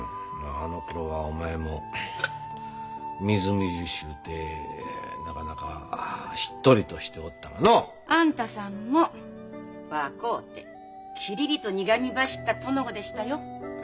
あのころはお前もみずみずしゅうてなかなかしっとりとしておったわの。あんたさんも若うてきりりと苦みばしった殿御でしたよ。